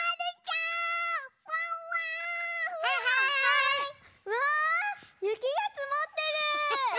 うわゆきがつもってる！